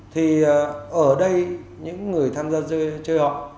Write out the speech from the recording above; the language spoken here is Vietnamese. thì ở đây những người tham gia chơi họ